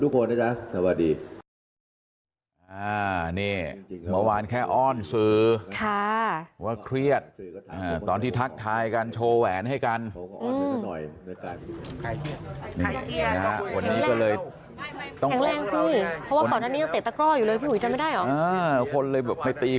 ขอบคุณทุกคนนะจ๊ะสวัสดี